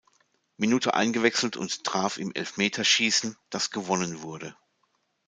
Minute eingewechselt und traf im Elfmeterschiessen, das gewonnen wurde.